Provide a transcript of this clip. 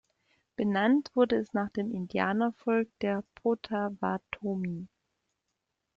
Benannt wurde es nach dem Indianervolk der Potawatomi.